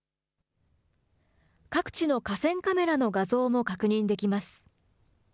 各地の河川カメラの画像も確認できます。